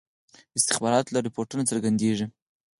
استخباراتو له رپوټونو څرګندیږي.